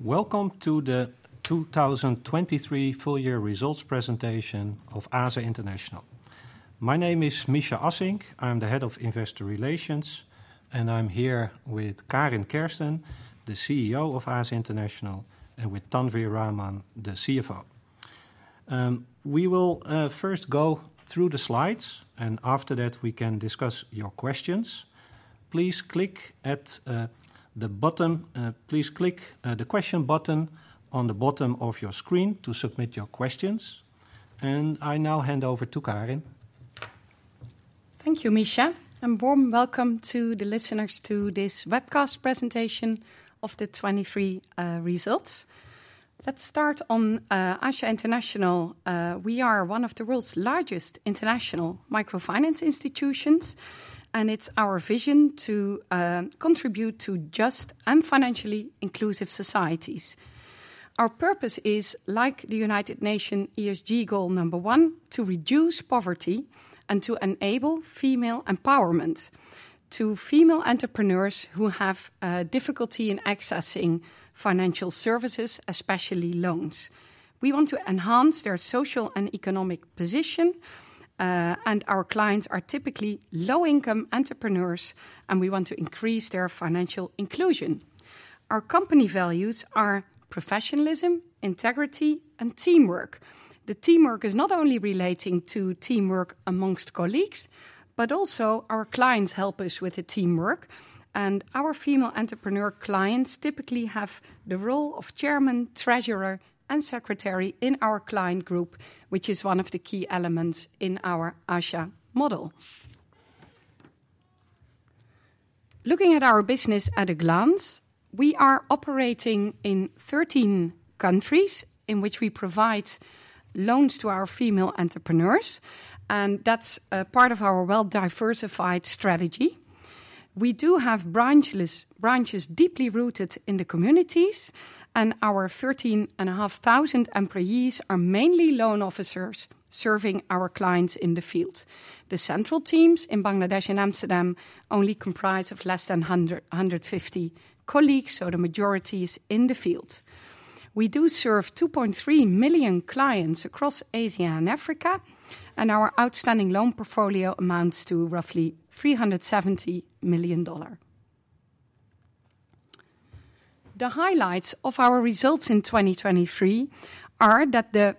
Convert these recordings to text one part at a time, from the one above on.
Welcome to the 2023 full-year results presentation of ASA International. My name is Mischa Assink, I'm the Head of Investor Relations, and I'm here with Karin Kersten, the CEO of ASA International, and with Tanwir Rahman, the CFO. We will first go through the slides, and after that we can discuss your questions. Please click at the question button on the bottom of your screen to submit your questions. I now hand over to Karin. Thank you, Mischa. Welcome to the listeners to this webcast presentation of the 2023 results. Let's start on ASA International. We are one of the world's largest international microfinance institutions, and it's our vision to contribute to just and financially inclusive societies. Our purpose is, like the United Nations SDG Goal 1, to reduce poverty and to enable female empowerment to female entrepreneurs who have difficulty in accessing financial services, especially loans. We want to enhance their social and economic position, and our clients are typically low-income entrepreneurs, and we want to increase their financial inclusion. Our company values are professionalism, integrity, and teamwork. The teamwork is not only relating to teamwork amongst colleagues, but also our clients help us with the teamwork. Our female entrepreneur clients typically have the role of chairman, treasurer, and secretary in our client group, which is one of the key elements in our ASA model. Looking at our business at a glance, we are operating in 13 countries in which we provide loans to our female entrepreneurs, and that's part of our well-diversified strategy. We do have branches deeply rooted in the communities, and our 13,500 employees are mainly loan officers serving our clients in the field. The central teams in Bangladesh and Amsterdam only comprise of less than 150 colleagues, so the majority is in the field. We do serve 2.3 million clients across Asia and Africa, and our outstanding loan portfolio amounts to roughly $370 million. The highlights of our results in 2023 are that the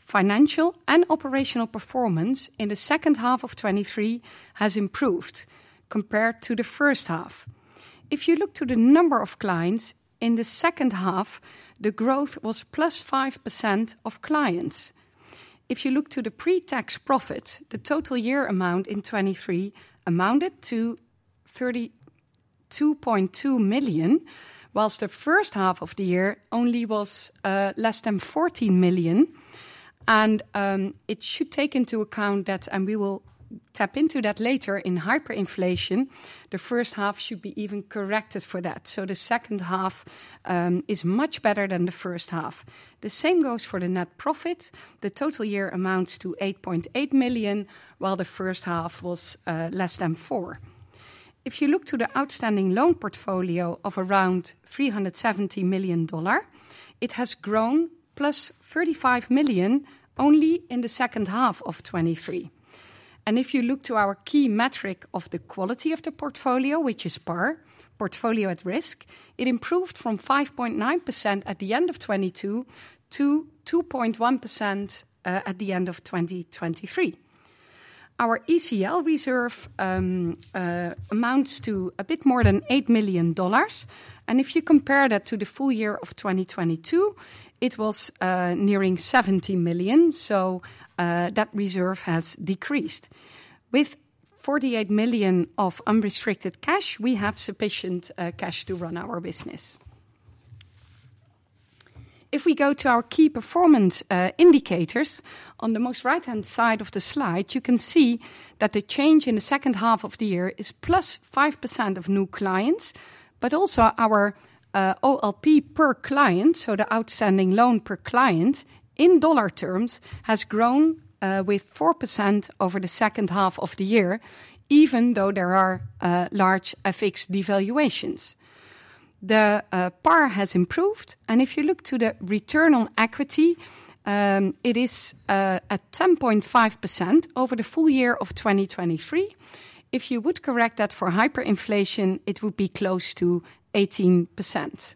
financial and operational performance in the second half of 2023 has improved compared to the first half. If you look to the number of clients in the second half, the growth was +5% of clients. If you look to the pre-tax profit, the total year amount in 2023 amounted to $32.2 million, while the first half of the year only was less than $14 million. It should take into account that, and we will tap into that later in hyperinflation, the first half should be even corrected for that. The second half is much better than the first half. The same goes for the net profit. The total year amounts to $8.8 million, while the first half was less than $4 million. If you look to the outstanding loan portfolio of around $370 million, it has grown +$35 million only in the second half of 2023. If you look to our key metric of the quality of the portfolio, which is PAR, portfolio at risk, it improved from 5.9% at the end of 2022 to 2.1% at the end of 2023. Our ECL reserve amounts to a bit more than $8 million, and if you compare that to the full year of 2022, it was nearing $70 million, so that reserve has decreased. With $48 million of unrestricted cash, we have sufficient cash to run our business. If we go to our key performance indicators, on the most right-hand side of the slide, you can see that the change in the second half of the year is plus 5% of new clients, but also our OLP per client, so the outstanding loan per client in dollar terms, has grown with 4% over the second half of the year, even though there are large FX devaluations. The PAR has improved, and if you look to the return on equity, it is at 10.5% over the full year of 2023. If you would correct that for hyperinflation, it would be close to 18%.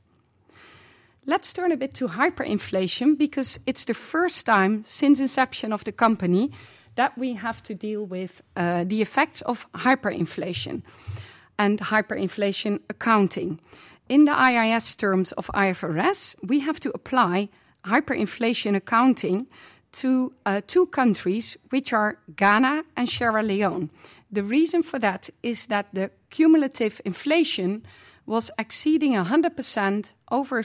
Let's turn a bit to hyperinflation because it's the first time since inception of the company that we have to deal with the effects of hyperinflation and hyperinflation accounting. In the IAS terms of IFRS, we have to apply hyperinflation accounting to two countries, which are Ghana and Sierra Leone. The reason for that is that the cumulative inflation was exceeding 100% over a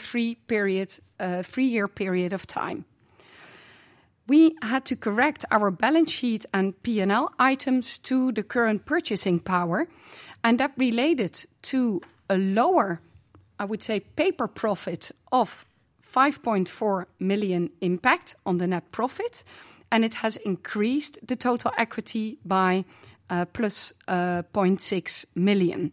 three-year period of time. We had to correct our balance sheet and P&L items to the current purchasing power, and that related to a lower, I would say, paper profit of $5.4 million impact on the net profit, and it has increased the total equity by +$0.6 million.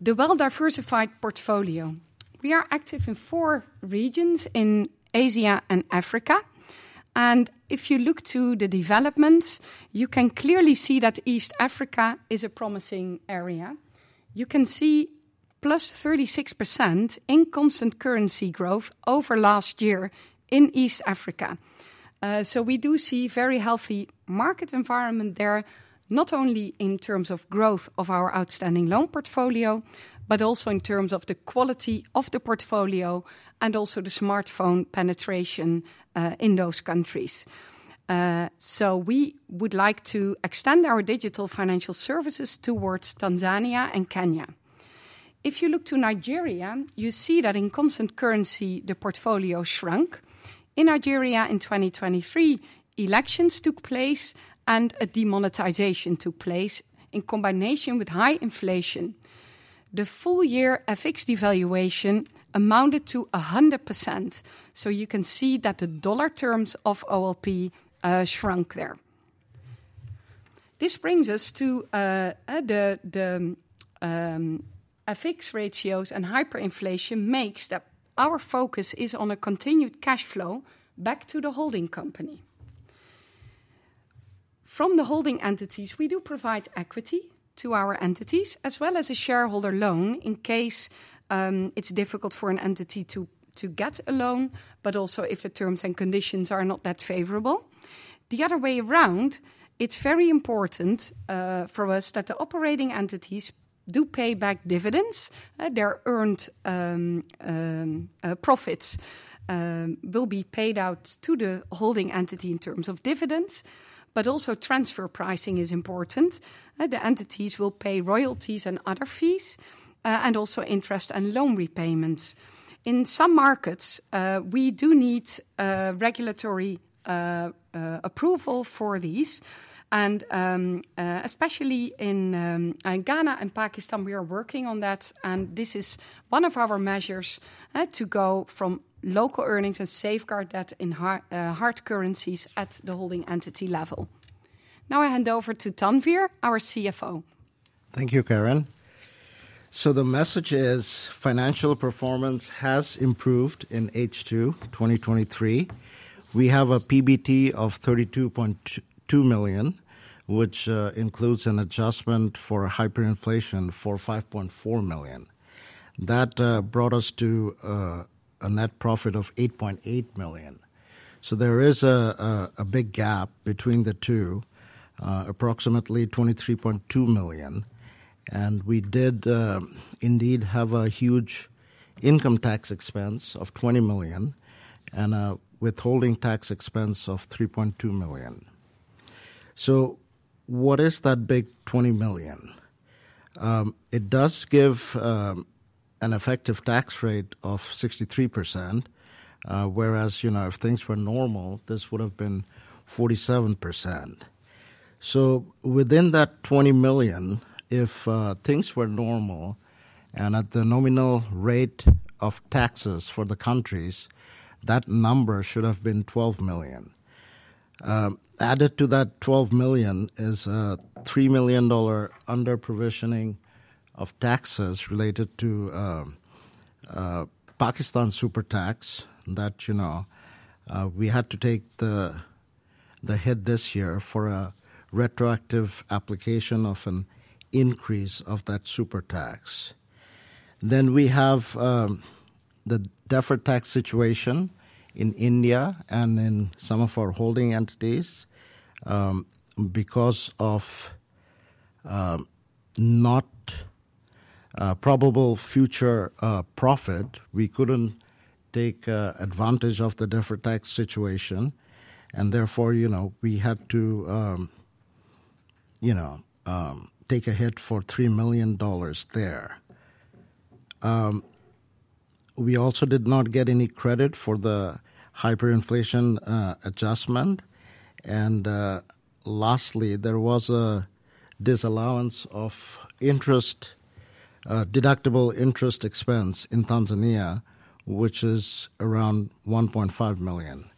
The well-diversified portfolio. We are active in four regions in Asia and Africa, and if you look to the developments, you can clearly see that East Africa is a promising area. You can see +36% in constant currency growth over last year in East Africa. We do see a very healthy market environment there, not only in terms of growth of our outstanding loan portfolio, but also in terms of the quality of the portfolio and also the smartphone penetration in those countries. We would like to extend our digital financial services towards Tanzania and Kenya. If you look to Nigeria, you see that in constant currency, the portfolio shrunk. In Nigeria, in 2023, elections took place, and a demonetization took place in combination with high inflation. The full-year FX devaluation amounted to 100%, so you can see that the dollar terms of OLP shrunk there. This brings us to the FX ratios, and hyperinflation makes that our focus is on a continued cash flow back to the holding company. From the holding entities, we do provide equity to our entities, as well as a shareholder loan in case it's difficult for an entity to get a loan, but also if the terms and conditions are not that favorable. The other way around, it's very important for us that the operating entities do pay back dividends. Their earned profits will be paid out to the holding entity in terms of dividends, but also transfer pricing is important. The entities will pay royalties and other fees, and also interest and loan repayments. In some markets, we do need regulatory approval for these, and especially in Ghana and Pakistan, we are working on that, and this is one of our measures to go from local earnings and safeguard that in hard currencies at the holding entity level. Now I hand over to Tanwir, our CFO. Thank you, Karin. The message is financial performance has improved in H2 2023. We have a PBT of $32.2 million, which includes an adjustment for hyperinflation for $5.4 million. That brought us to a net profit of $8.8 million. There is a big gap between the two, approximately $23.2 million, and we did indeed have a huge income tax expense of $20 million and a withholding tax expense of $3.2 million. What is that big $20 million? It does give an effective tax rate of 63%, whereas if things were normal, this would have been 47%. Within that $20 million, if things were normal and at the nominal rate of taxes for the countries, that number should have been $12 million. Added to that $12 million is a $3 million underprovisioning of taxes related to Pakistan Super Tax that we had to take the hit this year for a retroactive application of an increase of that Super Tax. Then we have the deferred tax situation in India and in some of our holding entities. Because of not probable future profit, we couldn't take advantage of the deferred tax situation, and therefore we had to take a hit for $3 million there. We also did not get any credit for the hyperinflation adjustment. And lastly, there was a disallowance of deductible interest expense in Tanzania, which is around $1.5 million.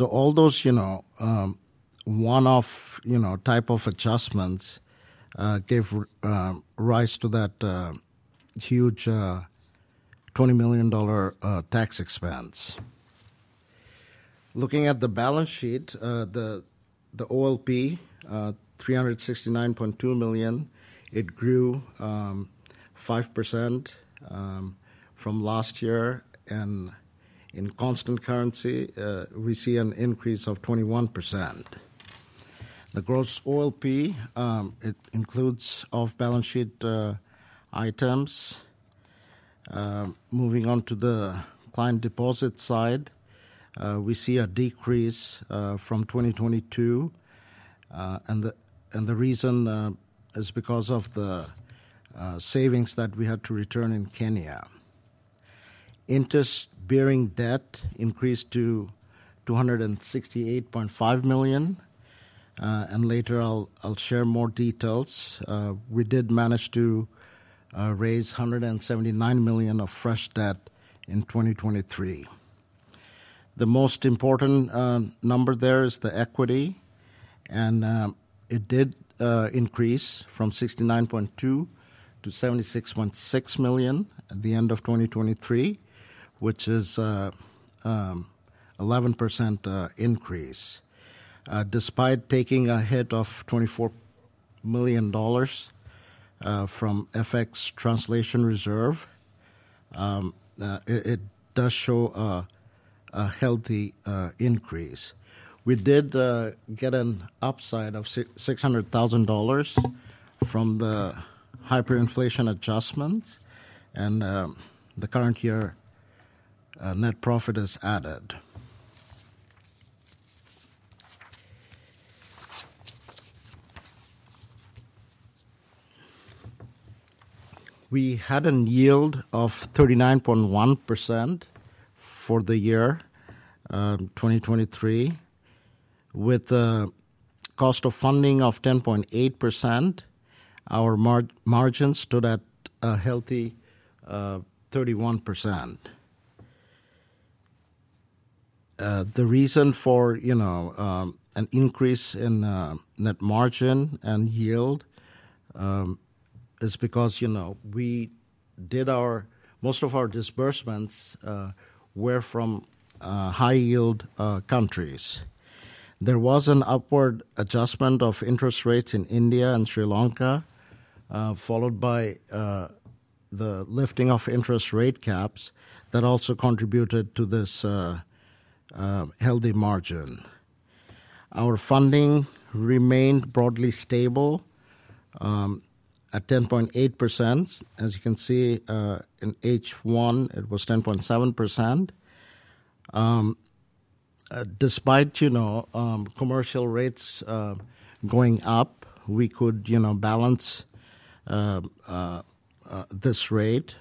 All those one-off type of adjustments gave rise to that huge $20 million tax expense. Looking at the balance sheet, the OLP, $369.2 million, it grew 5% from last year, and in constant currency, we see an increase of 21%. The gross OLP, it includes off-balance sheet items. Moving on to the client deposit side, we see a decrease from 2022, and the reason is because of the savings that we had to return in Kenya. Interest-bearing debt increased to $268.5 million, and later I'll share more details. We did manage to raise $179 million of fresh debt in 2023. The most important number there is the equity, and it did increase from $69.2 million to $76.6 million at the end of 2023, which is an 11% increase. Despite taking a hit of $24 million from FX Translation Reserve, it does show a healthy increase. We did get an upside of $600,000 from the hyperinflation adjustments, and the current year net profit is added. We had a yield of 39.1% for the year 2023. With a cost of funding of 10.8%, our margin stood at a healthy 31%. The reason for an increase in net margin and yield is because most of our disbursements were from high-yield countries. There was an upward adjustment of interest rates in India and Sri Lanka, followed by the lifting of interest rate caps that also contributed to this healthy margin. Our funding remained broadly stable at 10.8%. As you can see, in H1, it was 10.7%. Despite commercial rates going up, we could balance this rate.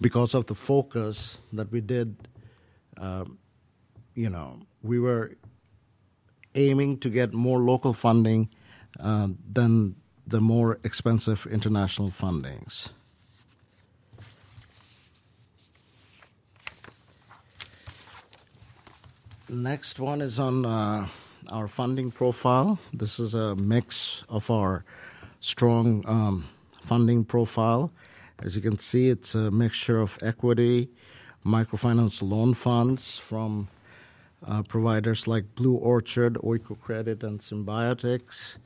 Because of the focus that we did, we were aiming to get more local funding than the more expensive international fundings. Next one is on our funding profile. This is a mix of our strong funding profile. As you can see, it's a mixture of equity, microfinance loan funds from providers like BlueOrchard, Oikocredit, and Symbiotics.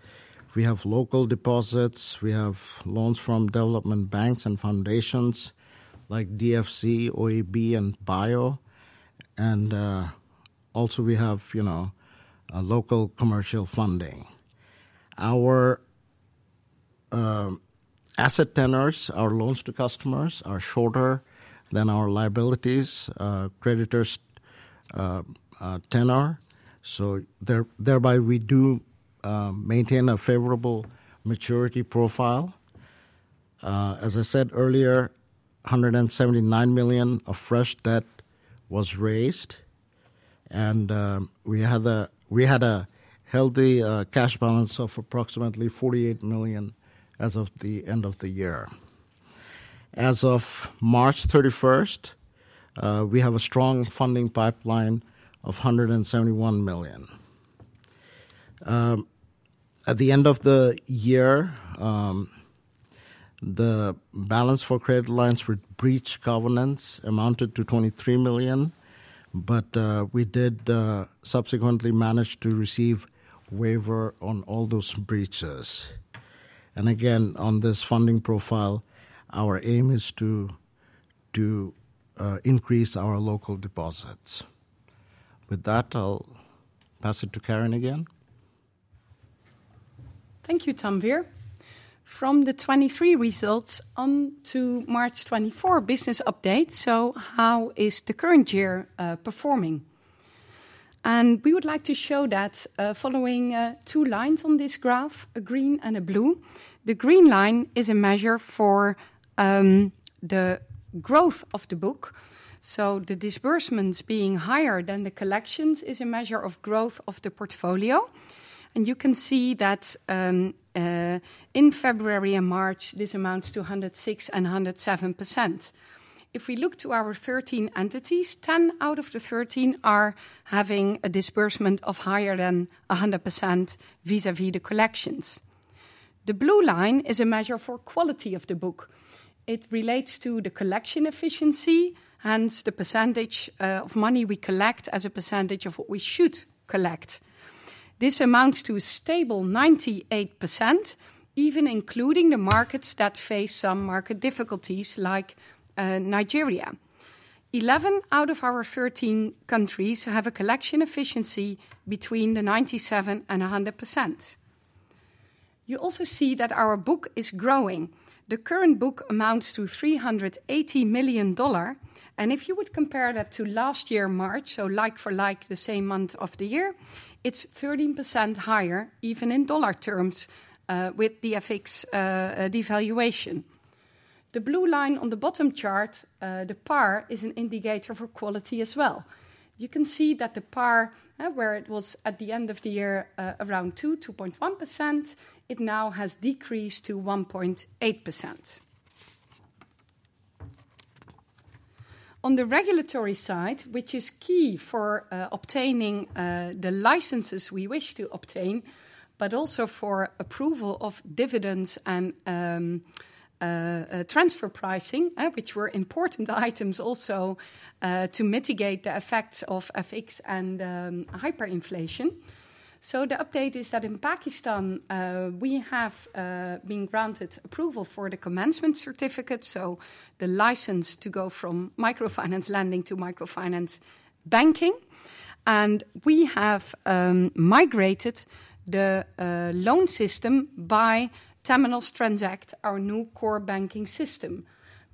We have local deposits. We have loans from development banks and foundations like DFC, OeEB, and BIO. We also have local commercial funding. Our asset tenors, our loans to customers, are shorter than our liabilities creditors tenor, so thereby we do maintain a favorable maturity profile. As I said earlier, $179 million of fresh debt was raised, and we had a healthy cash balance of approximately $48 million as of the end of the year. As of March 31st, we have a strong funding pipeline of $171 million. At the end of the year, the balance for credit lines with breached covenants amounted to $23 million, but we did subsequently manage to receive waiver on all those breaches. Again, on this funding profile, our aim is to increase our local deposits. With that, I'll pass it to Karin again. Thank you, Tanwir. From the 2023 results onto March 2024 business update. How is the current year performing? We would like to show that following two lines on this graph, a green and a blue. The green line is a measure for the growth of the book. The disbursements being higher than the collections is a measure of growth of the portfolio. You can see that in February and March, this amounts to 106% and 107%. If we look to our 13 entities, 10 out of the 13 are having a disbursement of higher than 100% vis-à-vis the collections. The blue line is a measure for quality of the book. It relates to the collection efficiency, hence the percentage of money we collect as a percentage of what we should collect. This amounts to a stable 98%, even including the markets that face some market difficulties like Nigeria. 11 out of our 13 countries have a collection efficiency between 97% and 100%. You also see that our book is growing. The current book amounts to $380 million, and if you would compare that to last year March, so like-for-like the same month of the year, it's 13% higher even in dollar terms with the FX devaluation. The blue line on the bottom chart, the PAR, is an indicator for quality as well. You can see that the PAR, where it was at the end of the year around 2%-2.1%, it now has decreased to 1.8%. On the regulatory side, which is key for obtaining the licenses we wish to obtain, but also for approval of dividends and transfer pricing, which were important items also to mitigate the effects of FX and hyperinflation. The update is that in Pakistan, we have been granted approval for the commencement certificate, so the license to go from microfinance lending to microfinance banking. We have migrated the loan system by Temenos Transact, our new core banking system.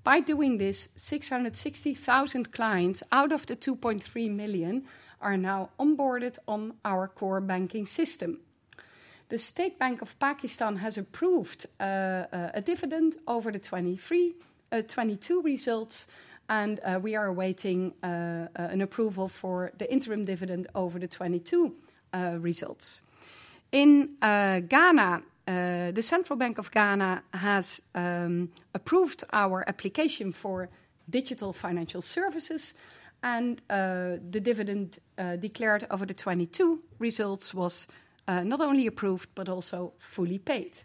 By doing this, 660,000 clients out of the 2.3 million are now onboarded on our core banking system. The State Bank of Pakistan has approved a dividend over the 2023-2022 results, and we are awaiting an approval for the interim dividend over the 2022 results. In Ghana, the Central Bank of Ghana has approved our application for digital financial services, and the dividend declared over the 2022 results was not only approved but also fully paid.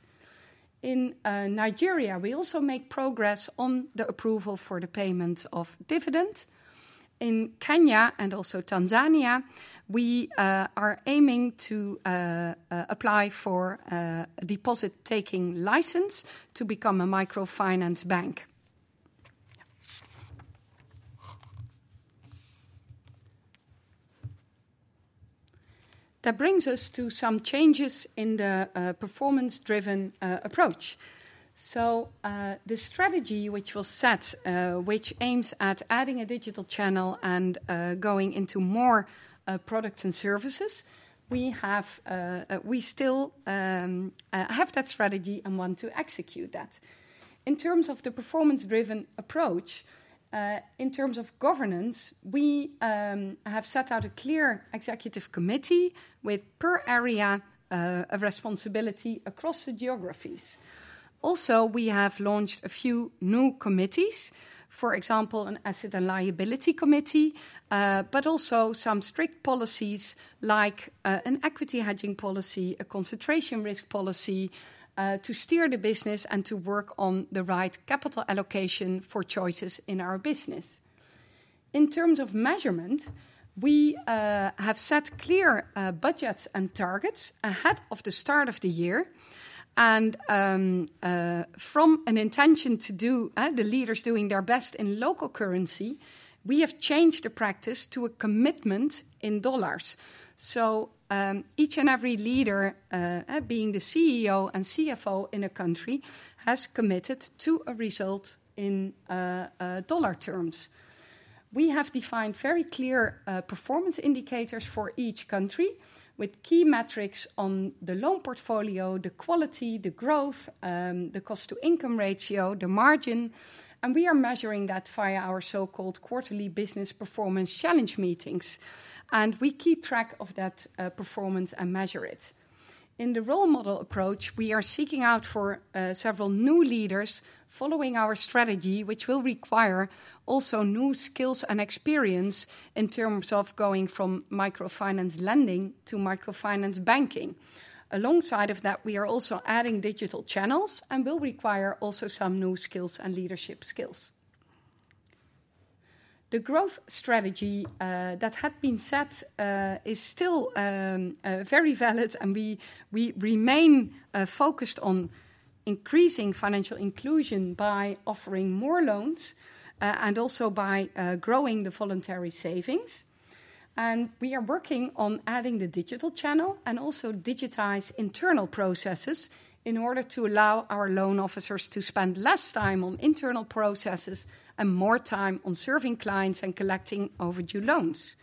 In Nigeria, we also make progress on the approval for the payment of dividend. In Kenya and also Tanzania, we are aiming to apply for a deposit-taking license to become a microfinance bank. That brings us to some changes in the performance-driven approach. The strategy which was set, which aims at adding a digital channel and going into more products and services, we still have that strategy and want to execute that. In terms of the performance-driven approach, in terms of governance, we have set out a clear executive committee with per area of responsibility across the geographies. We have launched a few new committees, for example, an Asset and Liability Committee, but also some strict policies like an Equity Hedging Policy, a Concentration Risk Policy to steer the business and to work on the right capital allocation for choices in our business. In terms of measurement, we have set clear budgets and targets ahead of the start of the year. And from an intention to do the leaders doing their best in local currency, we have changed the practice to a commitment in dollars. Each and every leader, being the CEO and CFO in a country, has committed to a result in dollar terms. We have defined very clear performance indicators for each country with key metrics on the loan portfolio, the quality, the growth, the cost-to-income ratio, the margin. We are measuring that via our so-called quarterly business performance challenge meetings. We keep track of that performance and measure it. In the role model approach, we are seeking out several new leaders following our strategy, which will require also new skills and experience in terms of going from microfinance lending to microfinance banking. Alongside of that, we are also adding digital channels and will require also some new skills and leadership skills. The growth strategy that had been set is still very valid, and we remain focused on increasing financial inclusion by offering more loans and also by growing the voluntary savings. We are working on adding the digital channel and also digitizing internal processes in order to allow our loan officers to spend less time on internal processes and more time on serving clients and collecting overdue loans.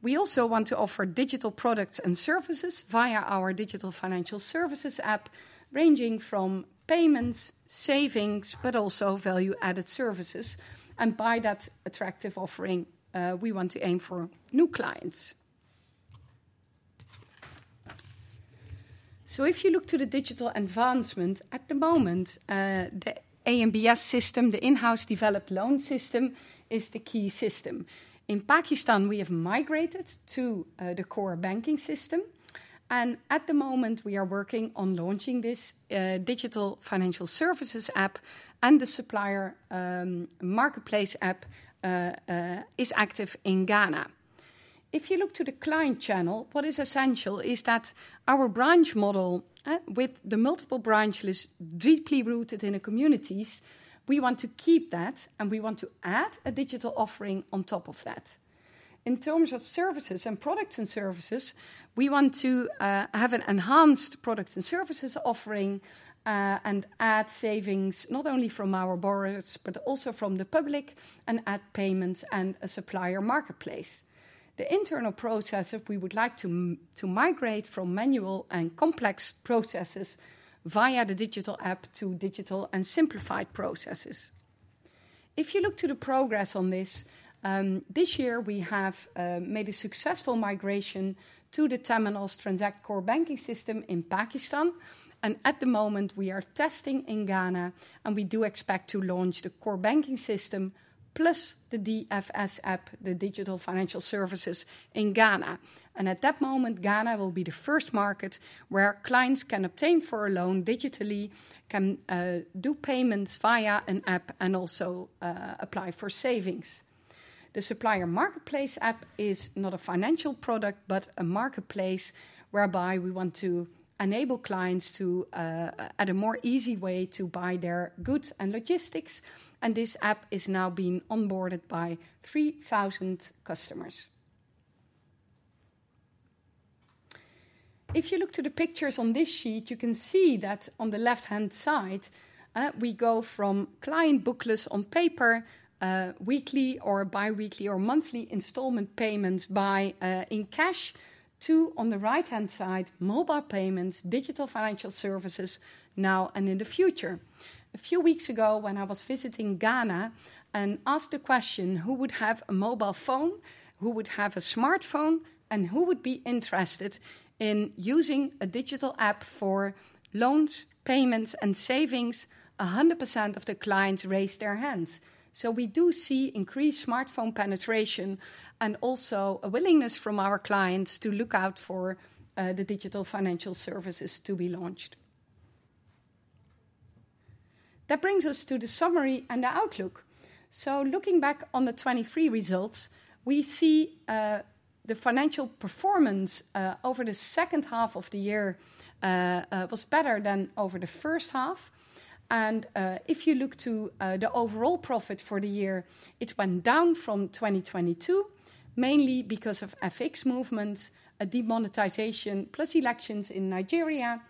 We also want to offer digital products and services via our Digital Financial Services app, ranging from payments, savings, but also value-added services. By that attractive offering, we want to aim for new clients. If you look to the digital advancement, at the moment, the AMBS system, the in-house developed loan system, is the key system. In Pakistan, we have migrated to the core banking system. At the moment, we are working on launching this Digital Financial Services app, and the Supplier Marketplace app is active in Ghana. If you look to the client channel, what is essential is that our branch model, with the multiple branches, is deeply rooted in the communities. We want to keep that, and we want to add a digital offering on top of that. In terms of services and products and services, we want to have an enhanced product and services offering and add savings not only from our borrowers but also from the public and add payments and a supplier marketplace. The internal process, we would like to migrate from manual and complex processes via the digital app to digital and simplified processes. If you look to the progress on this, this year we have made a successful migration to the Temenos Transact core banking system in Pakistan. And at the moment, we are testing in Ghana, and we do expect to launch the core banking system plus the DFS app, the digital financial services, in Ghana. And at that moment, Ghana will be the first market where clients can obtain a loan digitally, can do payments via an app, and also apply for savings. The Supplier Marketplace app is not a financial product but a marketplace whereby we want to enable clients to, at a more easy way, buy their goods and logistics. This app is now being onboarded by 3,000 customers. If you look to the pictures on this sheet, you can see that on the left-hand side, we go from client booklets on paper, weekly or biweekly or monthly installment payments in cash, to, on the right-hand side, mobile payments, digital financial services now and in the future. A few weeks ago, when I was visiting Ghana and asked the question, who would have a mobile phone, who would have a smartphone, and who would be interested in using a digital app for loans, payments, and savings, 100% of the clients raised their hands. We do see increased smartphone penetration and also a willingness from our clients to look out for the digital financial services to be launched. That brings us to the summary and the outlook. Looking back on the 2023 results, we see the financial performance over the second half of the year was better than over the first half. I if you look to the overall profit for the year, it went down from 2022, mainly because of FX movements, demonetization, plus elections in Nigeria,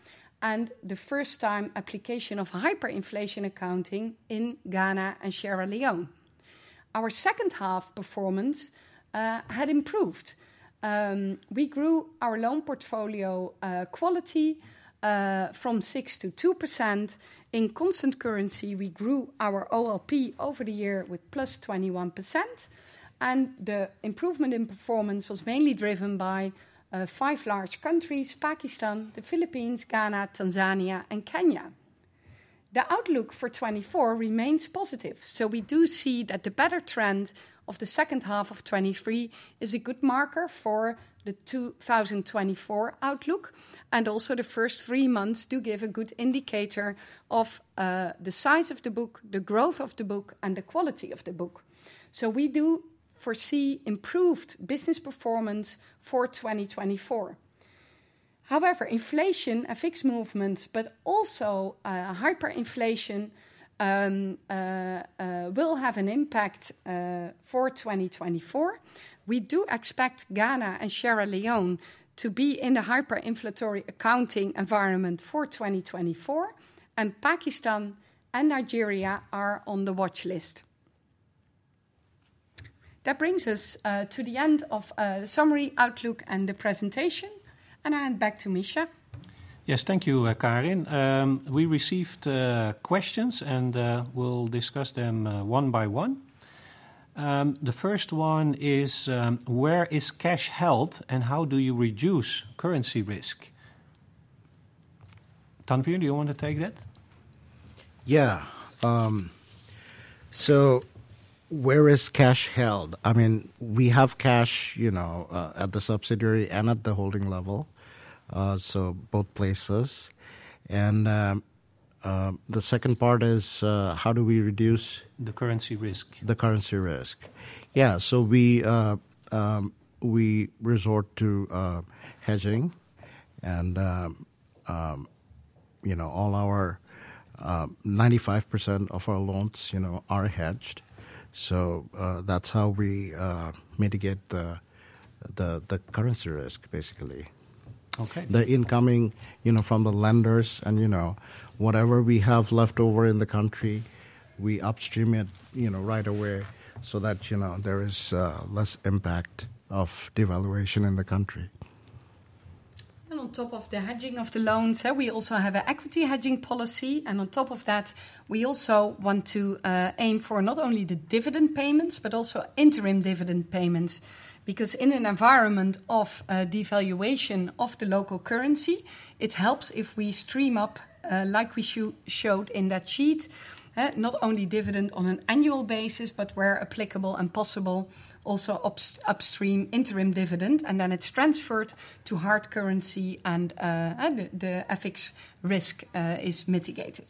and the first-time application of hyperinflation accounting in Ghana and Sierra Leone. Our second-half performance had improved. We grew our loan portfolio quality from 6% to 2%. In constant currency, we grew our OLP over the year with +21%. And the improvement in performance was mainly driven by five large countries: Pakistan, the Philippines, Ghana, Tanzania, and Kenya. The outlook for 2024 remains positive. We do see that the better trend of the second half of 2023 is a good marker for the 2024 outlook. Also the first three months do give a good indicator of the size of the book, the growth of the book, and the quality of the book. We do foresee improved business performance for 2024. However, inflation, FX movements, but also hyperinflation will have an impact for 2024. We do expect Ghana and Sierra Leone to be in the hyperinflationary accounting environment for 2024, and Pakistan and Nigeria are on the watchlist. That brings us to the end of the summary, outlook, and the presentation. I hand back to Mischa. Yes, thank you, Karin. We received questions and will discuss them one by one. The first one is, where is cash held and how do you reduce currency risk? Tanwir, do you want to take that? Yeah. Where is cash held? I mean, we have cash at the subsidiary and at the holding level, so both places. The second part is, how do we reduce the currency risk? The currency risk. Yeah. We resort to hedging, and all our 95% of our loans are hedged. That's how we mitigate the currency risk, basically. The incoming from the lenders and whatever we have left over in the country, we upstream it right away so that there is less impact of devaluation in the country. On top of the hedging of the loans, we also have an equity hedging policy. On top of that, we also want to aim for not only the dividend payments but also interim dividend payments. Because in an environment of devaluation of the local currency, it helps if we upstream, like we showed in that sheet, not only dividend on an annual basis but, where applicable and possible, also upstream interim dividend. Then it's transferred to hard currency and the FX risk is mitigated.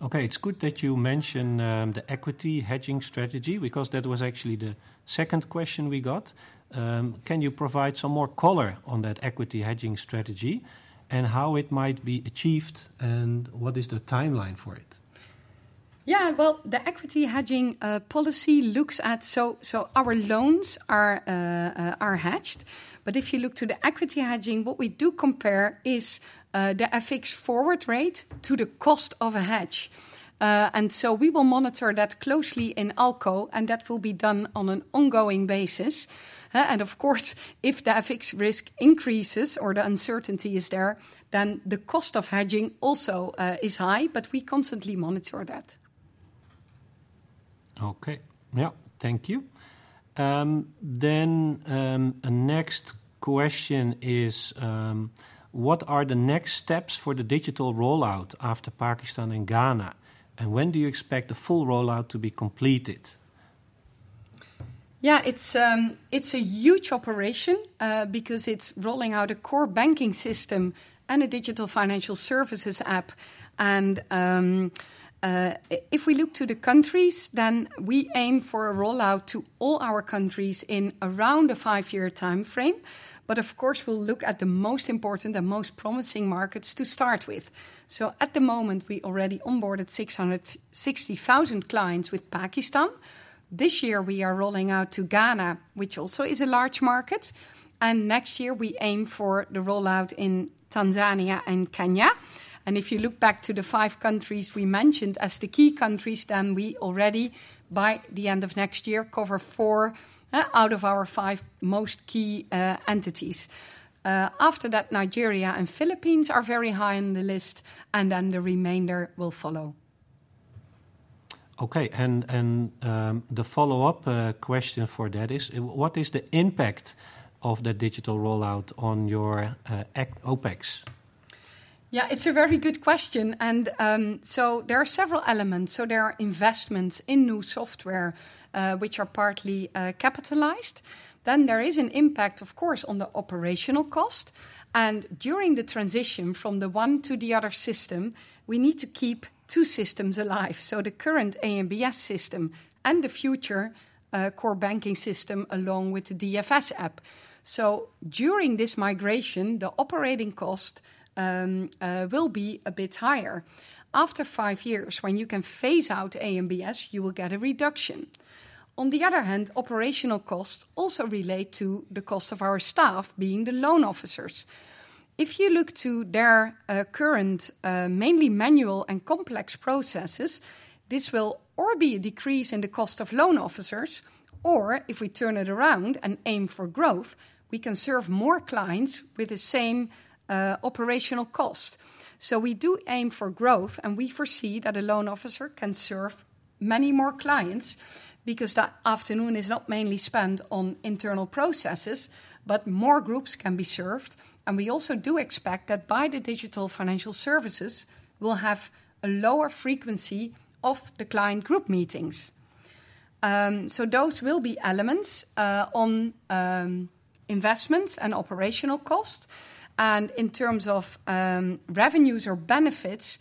Okay. It's good that you mention the equity hedging strategy because that was actually the second question we got. Can you provide some more color on that equity hedging strategy and how it might be achieved, and what is the timeline for it? Yeah. Well, the equity hedging policy looks at so our loans are hedged. But if you look to the equity hedging, what we do compare is the FX forward rate to the cost of a hedge. We will monitor that closely in ALCO, and that will be done on an ongoing basis. Of course, if the FX risk increases or the uncertainty is there, then the cost of hedging also is high. But we constantly monitor that. Okay. Yeah. Thank you. Then a next question is, what are the next steps for the digital rollout after Pakistan and Ghana, and when do you expect the full rollout to be completed? Yeah. It's a huge operation because it's rolling out a core banking system and a digital financial services app. If we look to the countries, then we aim for a rollout to all our countries in around a five-year time frame. But of course, we'll look at the most important and most promising markets to start with. At the moment, we already onboarded 660,000 clients with Pakistan. This year, we are rolling out to Ghana, which also is a large market. Next year, we aim for the rollout in Tanzania and Kenya. If you look back to the five countries we mentioned as the key countries, then we already, by the end of next year, cover four out of our five most key entities. After that, Nigeria and Philippines are very high on the list, and then the remainder will follow. Okay. The follow-up question for that is, what is the impact of the digital rollout on your OpEx? Yeah. It's a very good question. There are several elements. There are investments in new software, which are partly capitalized. Then there is an impact, of course, on the operational cost. And during the transition from the one to the other system, we need to keep two systems alive: so the current AMBS system and the future core banking system along with the DFS app. During this migration, the operating cost will be a bit higher. After five years, when you can phase out AMBS, you will get a reduction. On the other hand, operational costs also relate to the cost of our staff, being the loan officers. If you look to their current, mainly manual and complex processes, this will or be a decrease in the cost of loan officers, or if we turn it around and aim for growth, we can serve more clients with the same operational cost. We do aim for growth, and we foresee that a loan officer can serve many more clients because that afternoon is not mainly spent on internal processes, but more groups can be served. We also do expect that, by the digital financial services, we'll have a lower frequency of the client group meetings. Those will be elements on investments and operational cost. In terms of revenues or benefits,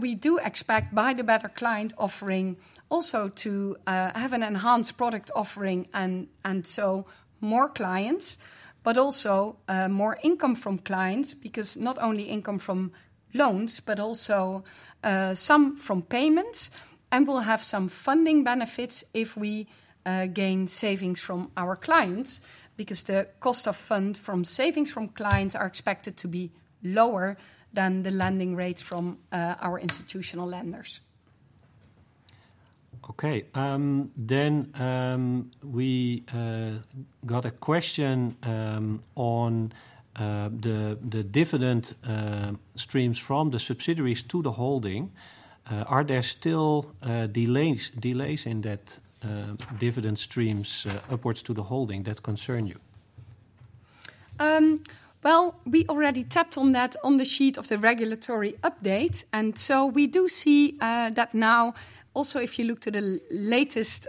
we do expect, by the better client offering, also to have an enhanced product offering and so more clients, but also more income from clients because not only income from loans but also some from payments, and we'll have some funding benefits if we gain savings from our clients because the cost of funds from savings from clients are expected to be lower than the lending rates from our institutional lenders. Okay. Then we got a question on the dividend streams from the subsidiaries to the holding. Are there still delays in that dividend streams upwards to the holding that concern you? Well, we already tapped on that on the sheet of the regulatory update. We do see that now, also if you look to the latest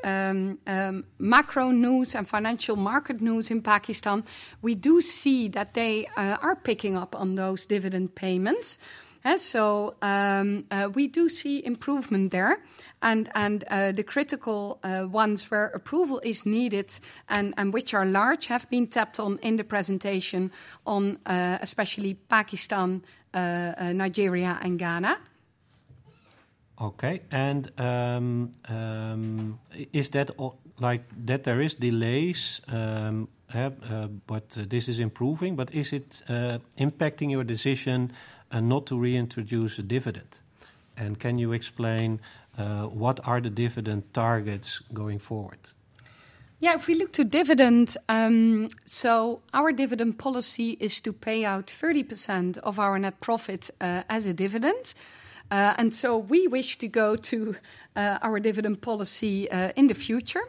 macro news and financial market news in Pakistan, we do see that they are picking up on those dividend payments. We do see improvement there, and the critical ones where approval is needed and which are large have been tapped on in the presentation, especially Pakistan, Nigeria, and Ghana. Okay. Is that there are delays, but this is improving, but is it impacting your decision not to reintroduce a dividend? Can you explain what are the dividend targets going forward? Yeah. If we look to dividend, so our dividend policy is to pay out 30% of our net profit as a dividend. We wish to go to our dividend policy in the future.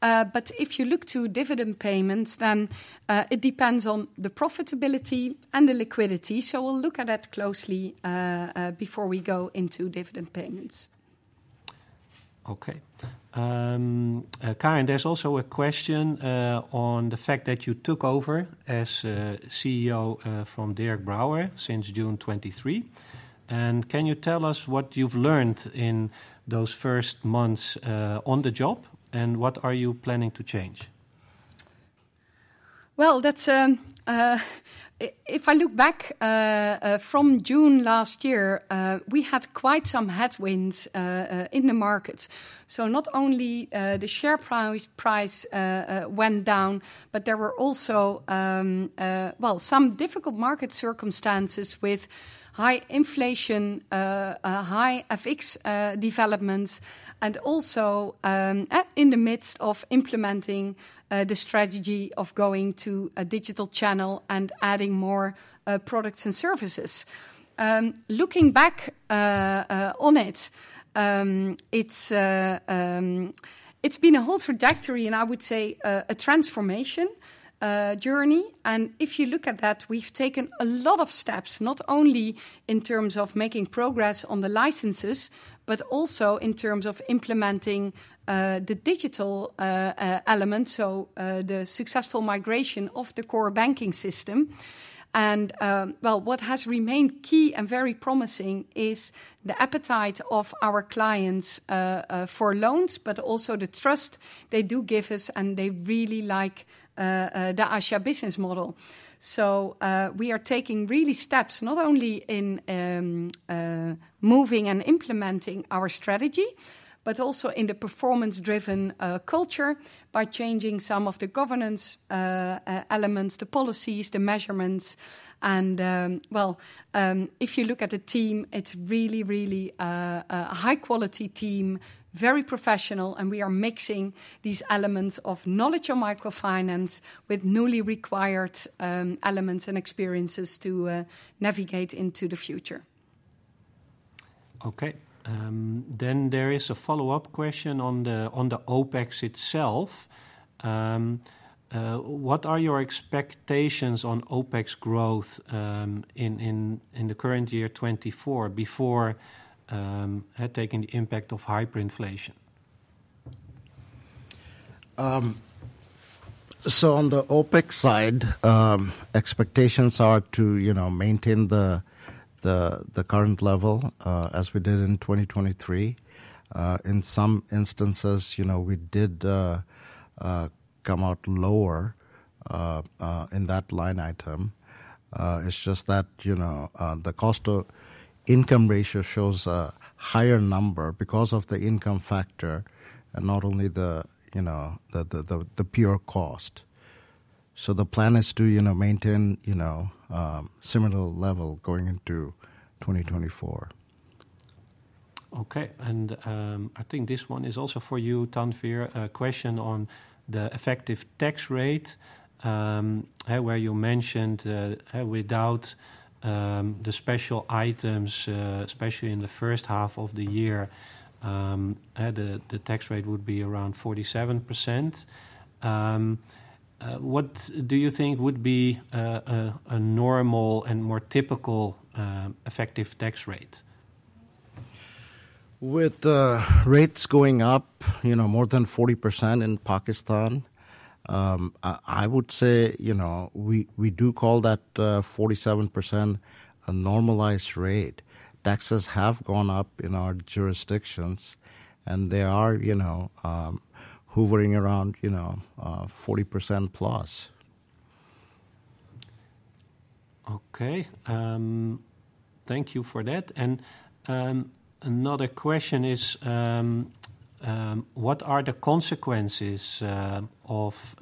But if you look to dividend payments, then it depends on the profitability and the liquidity. We'll look at that closely before we go into dividend payments. Okay. Karin, there's also a question on the fact that you took over as CEO from Dirk Brouwer since June 2023. Can you tell us what you've learned in those first months on the job, and what are you planning to change? Well, if I look back from June last year, we had quite some headwinds in the markets. Not only the share price went down, but there were also, well, some difficult market circumstances with high inflation, high FX developments, and also in the midst of implementing the strategy of going to a digital channel and adding more products and services. Looking back on it, it's been a whole trajectory, and I would say a transformation journey. If you look at that, we've taken a lot of steps, not only in terms of making progress on the licenses but also in terms of implementing the digital element, so the successful migration of the core banking system. Well, what has remained key and very promising is the appetite of our clients for loans but also the trust they do give us, and they really like the ASA business model. We are taking really steps, not only in moving and implementing our strategy but also in the performance-driven culture by changing some of the governance elements, the policies, the measurements. Well, if you look at the team, it's really, really a high-quality team, very professional and we are mixing these elements of knowledge of microfinance with newly required elements and experiences to navigate into the future. Okay. There is a follow-up question on the OpEx itself. What are your expectations on OpEx growth in the current year, 2024, taking the impact of hyperinflation? On the OpEx side, expectations are to maintain the current level as we did in 2023. In some instances, we did come out lower in that line item. It's just that the cost-to-income ratio shows a higher number because of the income factor and not only the pure cost. The plan is to maintain a similar level going into 2024. Okay. I think this one is also for you, Tanwir. A question on the effective tax rate, where you mentioned without the special items, especially in the first half of the year, the tax rate would be around 47%. What do you think would be a normal and more typical effective tax rate? With rates going up more than 40% in Pakistan, I would say we do call that 47% a normalized rate. Taxes have gone up in our jurisdictions, and they are hovering around 40% plus. Okay. Thank you for that. Another question is, what are the consequences of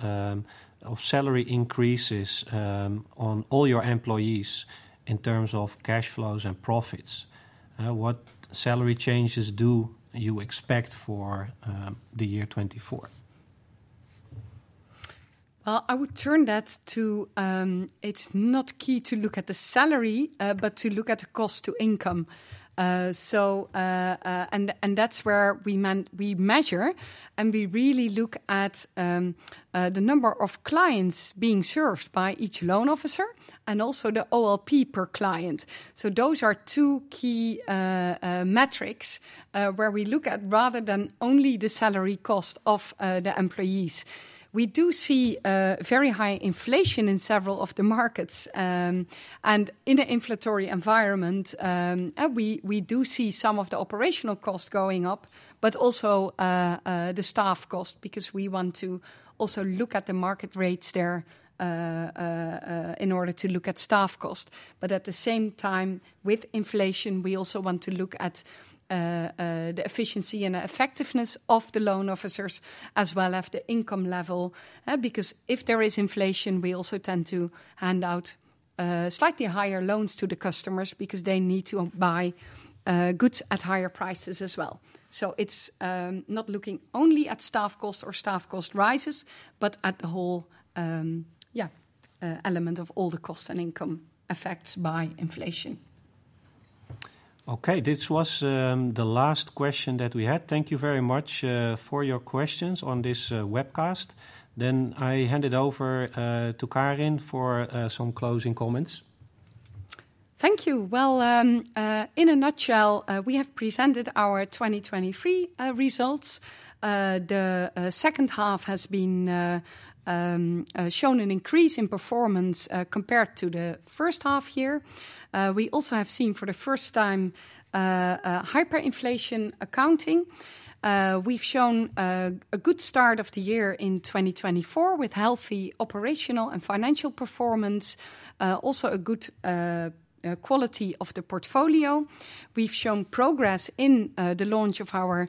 salary increases on all your employees in terms of cash flows and profits? What salary changes do you expect for the year, 2024? Well, I would turn that to, it's not key to look at the salary but to look at the cost-to-income, and that's where we measure. We really look at the number of clients being served by each loan officer and also the OLP per client. Those are two key metrics where we look at rather than only the salary cost of the employees. We do see very high inflation in several of the markets. In an inflationary environment, we do see some of the operational costs going up but also the staff cost because we want to also look at the market rates there in order to look at staff cost. But at the same time, with inflation, we also want to look at the efficiency and effectiveness of the loan officers as well as the income level. Because if there is inflation, we also tend to hand out slightly higher loans to the customers because they need to buy goods at higher prices as well. It's not looking only at staff cost or staff cost rises but at the whole, yeah, element of all the cost and income effects by inflation. Okay. This was the last question that we had. Thank you very much for your questions on this webcast. I hand it over to Karin for some closing comments. Thank you. Well, in a nutshell, we have presented our 2023 results. The second half has been shown an increase in performance compared to the first half year. We also have seen for the first time hyperinflation accounting. We've shown a good start of the year in 2024 with healthy operational and financial performance, also a good quality of the portfolio. We've shown progress in the launch of our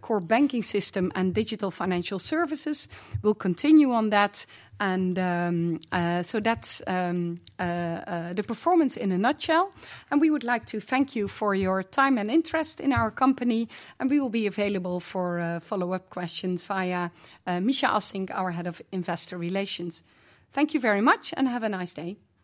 core banking system and digital financial services. We'll continue on that. That's the performance in a nutshell. We would like to thank you for your time and interest in our company. We will be available for follow-up questions via Mischa Assink, our head of investor relations. Thank you very much, and have a nice day.